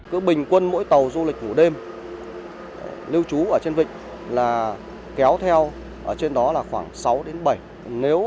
cứ bình quân mỗi tàu du lịch mùa đêm nếu chú ở trên vịnh là kéo theo ở trên đó là khoảng sáu đến bảy